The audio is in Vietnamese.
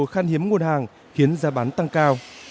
khăn hiếm nguồn hàng khiến giá bán tăng cao